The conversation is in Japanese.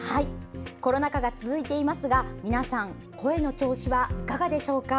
コロナ禍が続いていますが皆さん声の調子はいかがでしょうか？